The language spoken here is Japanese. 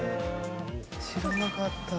知らなかった。